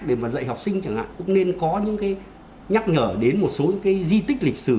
để mà dạy học sinh chẳng hạn cũng nên có những cái nhắc nhở đến một số cái di tích lịch sử